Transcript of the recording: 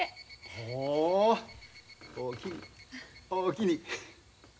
おおきに。